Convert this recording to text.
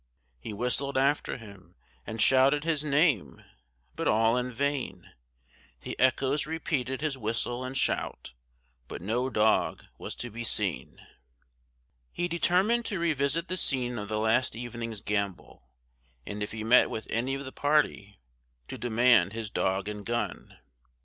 He whistled after him and shouted his name, but all in vain; the echoes repeated his whistle and shout, but no dog was to be seen. He determined to revisit the scene of the last evening's gambol, and if he met with any of the party, to demand his dog and gun.